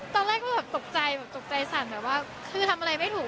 ตอนแรกก็ตกใจสั่นคือทำอะไรไม่ถูก